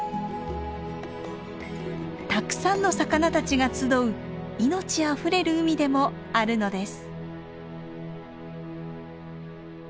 たくさんの魚たちが集う命あふれる海でもあるのです。